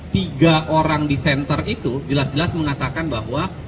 tiga orang di center itu jelas jelas mengatakan bahwa